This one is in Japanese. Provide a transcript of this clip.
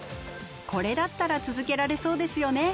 これだったら続けられそうですよね。